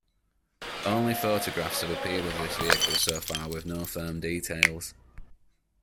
Only photographs have appeared of this vehicle so far with no firm details.